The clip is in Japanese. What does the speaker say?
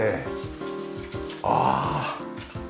ああ。